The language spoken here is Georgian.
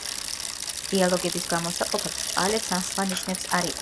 დიალოგების გამოსაყოფად ბრჭყალებს ან სხვა ნიშნებს არ იყენებდა.